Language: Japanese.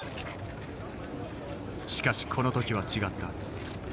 しかしこの時は違った。